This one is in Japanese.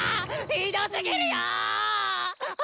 ひどすぎるよおお！